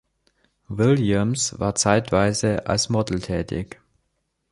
Williams war zeitweise als Model tätig.